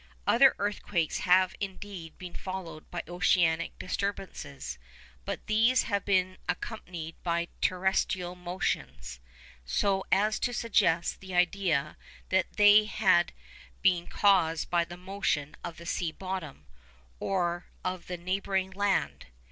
Other earthquakes have indeed been followed by oceanic disturbances; but these have been accompanied by terrestrial motions, so as to suggest the idea that they had been caused by the motion of the sea bottom, or of the neighbouring land.